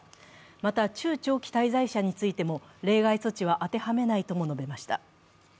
また中・長期滞在者についても、例外措置は当てはめないとの述べました。